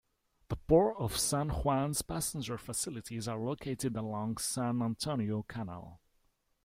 The Port of San Juan's passenger facilities are located along San Antonio Canal.